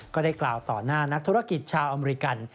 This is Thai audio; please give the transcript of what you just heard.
ก็ได้กล่าวต่อหน้านักธุรกิจชาวอเมริกัน